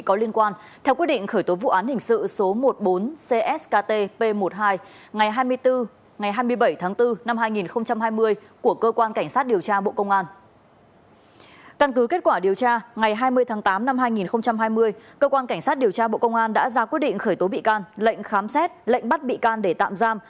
cơ quan cảnh sát điều tra bộ công an đã ra quy định khởi tố bị can lệnh khám xét lệnh bắt bị can để tạm giam